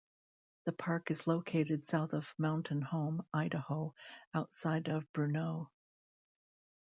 The park is located south of Mountain Home, Idaho, outside of Bruneau.